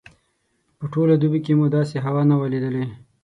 په ټوله دوبي کې مو داسې هوا نه وه لیدلې.